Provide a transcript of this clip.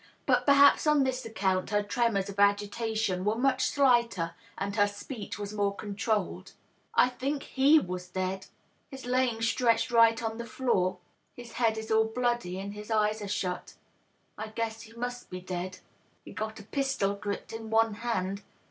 But per haps on this account her tremors of agitation were much slighter, and her speech was more controlled. " I &ink he was dead. He's laying stretched right on the floor. His head is all bloody, and his eyes are shut. I guess he must be dead. He's got a pistol gripped in one hand.